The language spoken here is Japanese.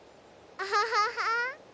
アハハハ。